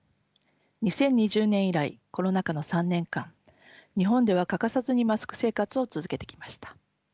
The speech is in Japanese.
２０２０年以来コロナ下の３年間日本では欠かさずにマスク生活を続けてきました。